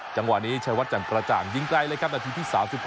จังหวะนี้ชัยวัดจันกระจ่างยิงไกลเลยครับนาทีที่๓๗